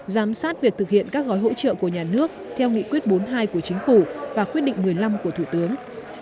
giám sát việc thực hiện các gói hỗ trợ của nhà nước theo nghị quyết bốn mươi hai của chính phủ và quyết định một mươi năm của thủ tướng